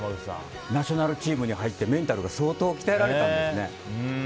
ナショナルチームに入ってメンタルが相当、鍛えられたんですね。